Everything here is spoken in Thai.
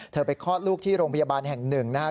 เธอไปคลอดลูกที่โรงพยาบาลแห่ง๑นะครับ